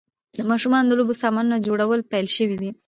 د ماشومانو د لوبو سامانونو جوړول پیل شوي دي.